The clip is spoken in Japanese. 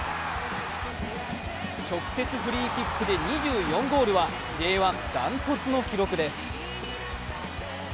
直接フリーキックで２４ゴールはＪ１断トツの記録です。